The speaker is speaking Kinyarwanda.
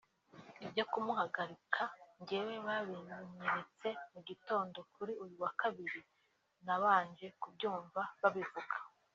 Ibyo kumuhagarika njyewe babinyeretse mugitondo (Kuri uyu wa Kabiri) nabanje kubyumba babivuga